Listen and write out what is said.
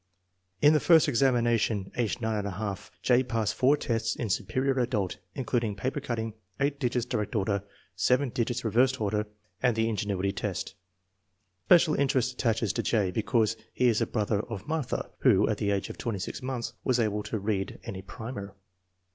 In the first examination, age 9, J. passed four tests in Superior Adult, including paper cutting, eight digits direct order, seven digits reversed order, and the in genuity test. FORTY ONE SUPERIOR CU1LUKEJN 245 Special interest attaches to J. because he is a brother of Martha, who at the age of 26 months was able to read any primer.